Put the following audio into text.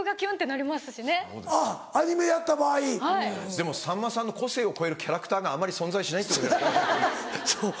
でもさんまさんの個性を超えるキャラクターがあまり存在しないってことじゃないですか